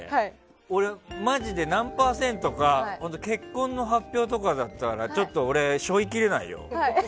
俺、マジで何パーセントか結婚の発表とかだったらちょっと俺、背負いきれないよ。